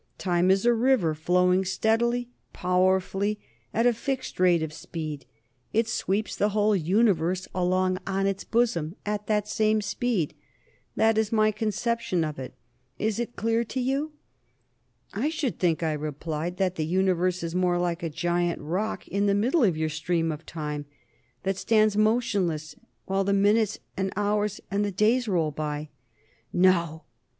Time is a river, flowing steadily, powerful, at a fixed rate of speed. It sweeps the whole Universe along on its bosom at that same speed. That is my conception of it; is it clear to you?" "I should think," I replied, "that the Universe is more like a great rock in the middle of your stream of time, that stands motionless while the minutes, the hours, and the days roll by." "No!